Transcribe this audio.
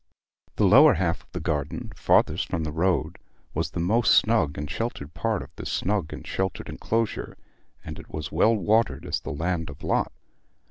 The lower half of the garden, farthest from the road, was the most snug and sheltered part of this snug and sheltered enclosure, and it was well watered as the land of Lot.